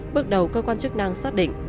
bước đầu cơ quan chức năng xác định